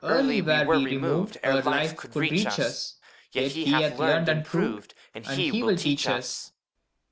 Early were we removed, Ere Life could reach us; Yet he hath learned and proved, And he will teach us.